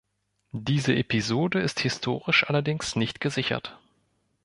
Diese Episode ist historisch allerdings nicht gesichert.